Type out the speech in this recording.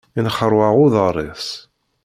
Inxeṛwaɛ uḍaṛ-is.